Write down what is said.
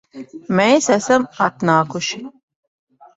Mēs esam atnākuši